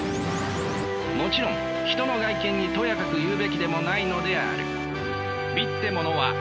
もちろん人の外見にとやかく言うべきでもないのである。